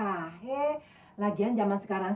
iya dah yang penting komisinya raya